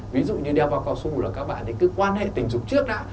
ví dụ như đeo bao cao su là các bạn cứ quan hệ tình dục trước đã